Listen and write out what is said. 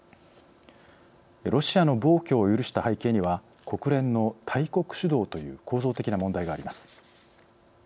ロシアの暴挙を許した背景には国連の大国主導という構造的な問題があります。